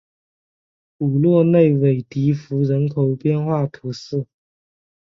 普洛内韦迪福人口变化图示